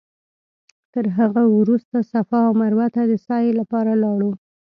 تر هغه وروسته صفا او مروه ته د سعې لپاره لاړو.